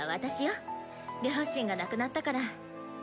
両親が亡くなったから。